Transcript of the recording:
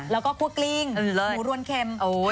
แล้วก็คั่วกลิ้งหมูรวนเค็ม